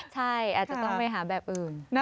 ใช่อาจจะต้องไปหาแบบอื่น